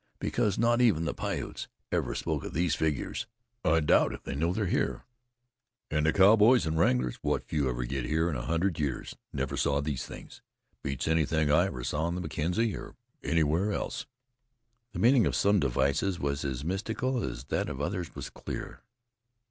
Because not even the Piutes ever spoke of these figures. I doubt if they know they're here. And the cowboys and wranglers, what few ever get by here in a hundred years, never saw these things. Beats anything I ever saw on the Mackenzie, or anywhere else." The meaning of some devices was as mystical as that of others was clear.